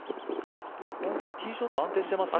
本当にティーショット安定していますね。